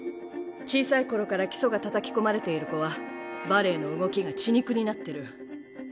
小さい頃から基礎がたたき込まれている子はバレエの動きが血肉になってる。